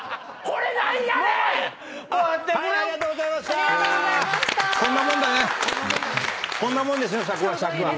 こんなもんですね尺は。